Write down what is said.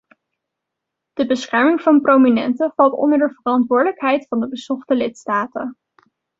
De bescherming van prominenten valt onder de verantwoordelijkheid van de bezochte lidstaten.